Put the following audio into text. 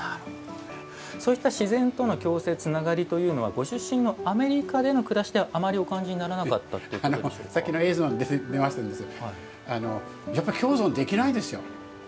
そういった自然との共生つながりというのはご出身のアメリカでの暮らしではあまりお感じにならなかったとさっきの映像に出ましたですけどやっぱり共存できないですよ。